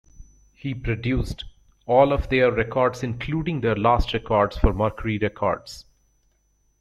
He produced all of their records including their last records for Mercury Records.